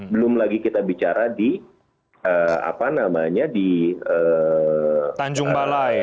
belum lagi kita bicara di tanjung balai